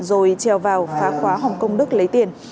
rồi treo vào phá khóa hồng công đức lấy tiền